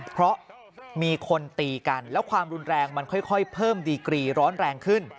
เพราะมีคนตีกันแล้วความรุนแรงมันค่อยเพิ่มดีกรีร้อนแรงขึ้น